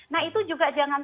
nah itu juga jangan